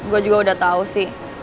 gue juga udah tahu sih